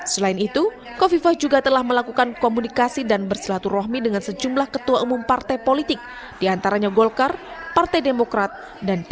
selain itu kofifa juga telah melakukan komunikasi dan bersilaturahmi dengan sejumlah ketua umum partai politik diantaranya golkar partai demokrat dan p tiga